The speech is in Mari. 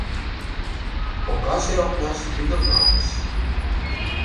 — Кокаже окнаш пӱгырналтыш.